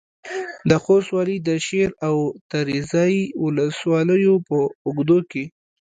د خوست والي د شېر او تریزایي ولسوالیو په اوږدو کې